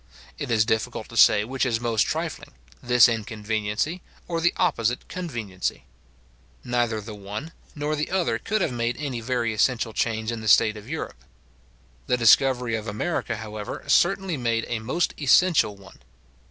It is difficult to say which is most trifling, this inconveniency, or the opposite conveniency. Neither the one nor the other could have made any very essential change in the state of Europe. The discovery of America, however, certainly made a most essential one.